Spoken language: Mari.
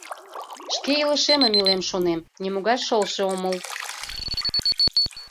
— Шке илышемым илем, шонем, нимогай шылше омыл...